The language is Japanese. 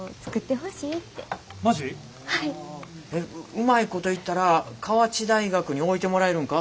うまいこといったら河内大学に置いてもらえるんか？